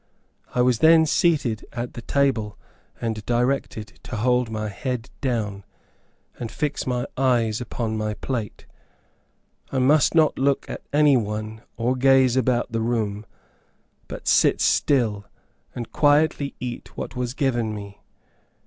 I was then seated at the table, and directed to hold my head down, and fix my eyes upon my plate. I must not look at any one, or gaze about the room; but sit still, and quietly eat what was given me.